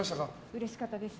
うれしかったです。